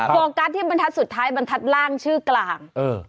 โฟกัสที่บรรทัศน์สุดท้ายบรรทัศน์ล่างชื่อกลาง